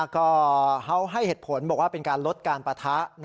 ก็เขาให้เหตุผลบอกว่าเป็นการลดการปะทะ